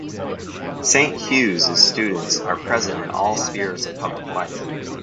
Saint Hugh's students are present in all spheres of public life.